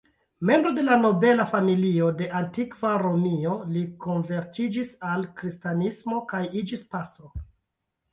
Membro de nobela familio de antikva Romio, li konvertiĝis al kristanismo kaj iĝis pastro.